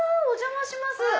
お邪魔します。